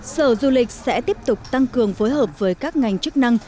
sở du lịch sẽ tiếp tục tăng cường phối hợp với các ngành chức năng